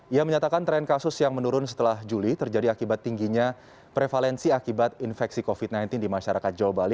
ia menyatakan tren kasus yang menurun setelah juli terjadi akibat tingginya prevalensi akibat infeksi covid sembilan belas di masyarakat jawa bali